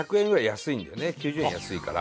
９０円安いから。